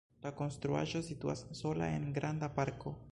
La konstruaĵo situas sola en granda parko.